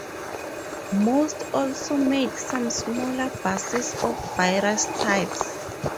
Most also made some smaller buses of various types.